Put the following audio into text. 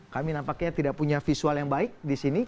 kami nampaknya tidak punya visual yang baik di sini